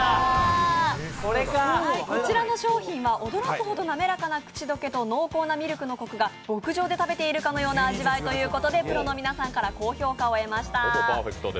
こちらの商品は驚くほど滑らかな口溶けと濃厚なミルクのコクが牧場で食べているかのような味わいということでプロの皆さんから高評価を得ました。